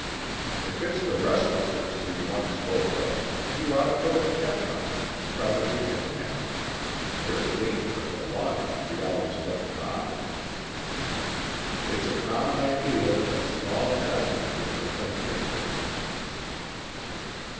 "If it's the restlessness you once spoke of, you ought to put a check on it and try to be content. There's danger in the longing to be always going on." "It's a common idea that a small hazard gives a thing an interest."